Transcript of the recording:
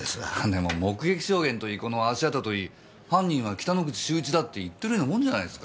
でも目撃証言といいこの足跡といい犯人は北之口秀一だって言ってるようなもんじゃないですか。